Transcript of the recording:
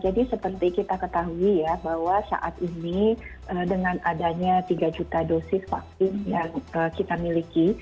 jadi seperti kita ketahui ya bahwa saat ini dengan adanya tiga juta dosis vaksin yang kita miliki